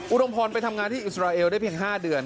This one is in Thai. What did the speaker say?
อุดมพรไปทำงานที่อิสราเอลได้เพียง๕เดือน